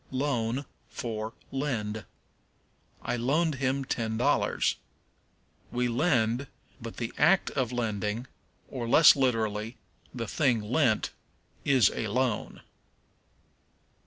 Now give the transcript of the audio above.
Loan for Lend. "I loaned him ten dollars." We lend, but the act of lending, or, less literally, the thing lent, is a loan.